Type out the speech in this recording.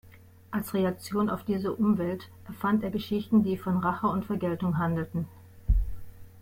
Als Reaktion auf diese Umwelt erfand er Geschichten, die von Rache und Vergeltung handelten.